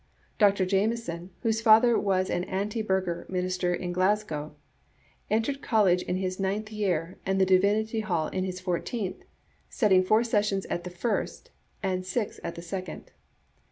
Dr. Jamieson, whose father was an Anti Burgher minister in Glasgow, en tered college in his ninth year and the divinity hall in his fourteenth, studying four sessions at the first and six at the second.